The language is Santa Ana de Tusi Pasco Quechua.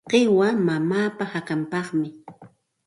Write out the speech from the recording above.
Qiwa mamaapa hakanpaqmi.